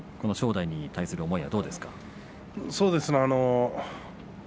正代に対する思いはどうですか。